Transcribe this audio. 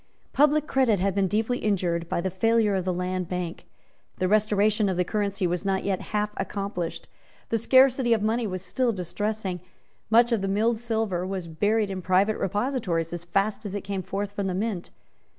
Public credit had been deeply injured by the failure of the Land Bank. The restoration of the currency was not yet half accomplished. The scarcity of money was still distressing. Much of the milled silver was buried in private repositories as fast as it came forth from the Mint.